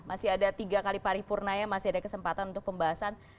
masih ada tiga kali paripurna ya masih ada kesempatan untuk pembahasan